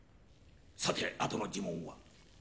さてあとの呪文は？